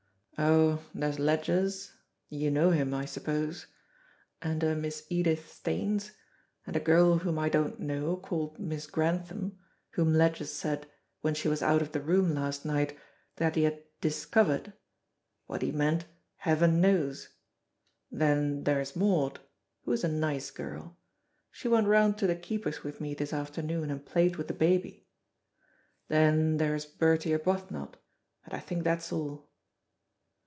"Oh, there's Ledgers you know him, I suppose and a Miss Edith Staines, and a girl whom I don't know, called Miss Grantham, whom Ledgers said, when she was out of the room last night, that he had 'discovered.' What he meant Heaven knows. Then there's Maud, who is a nice girl. She went round to the keeper's with me this afternoon, and played with the baby. Then there's Bertie Arbuthnot, and I think that's all."